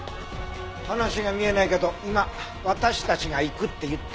話が見えないけど今私たちが行くって言った？